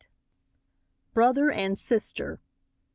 BROTHER AND SISTER.